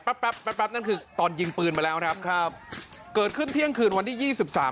แป๊บแป๊บแป๊บนั่นคือตอนยิงปืนมาแล้วครับครับเกิดขึ้นเที่ยงคืนวันที่ยี่สิบสาม